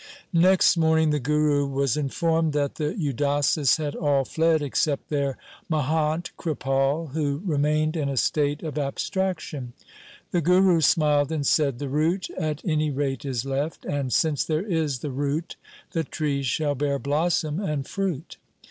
Next morning the Guru was informed that the Udasis had all fled except their mahant Kripal, who remained in a state of abstraction. The Guru smiled and said, ' The root at any rate is left, and since there is the root the tree shall bear blossom and fruit.